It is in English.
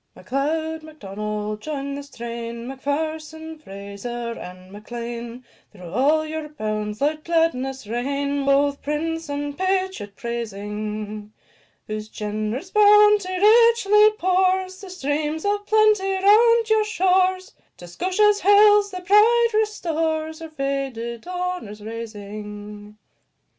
M'Leod, M'Donald, join the strain, M'Pherson, Fraser, and M'Lean; Through all your bounds let gladness reign, Both prince and patriot praising; Whose generous bounty richly pours The streams of plenty round your shores; To Scotia's hills their pride restores, Her faded honours raising.